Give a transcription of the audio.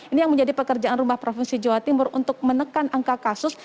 ini yang menjadi pekerjaan rumah provinsi jawa timur untuk menekan angka kasus